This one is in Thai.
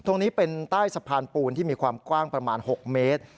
ตรงนี้เป็นใต้สะพานปูนที่มีความกว้างประมาณ๖เมตร